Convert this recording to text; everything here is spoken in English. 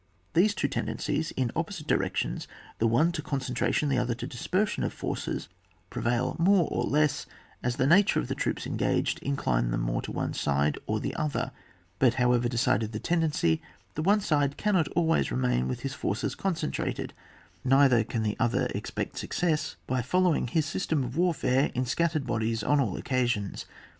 These two tendencies in opposite di rections, the one to concentration the other to dispersion of forces, prevail more or less according as the nature of the troops engaged incline them more to one side or the other, but however decided the tendency, the one side cannot always remain with his forces concentrated, neither can the other expect success by following his system of warfare in scat tered bodies on all occasions.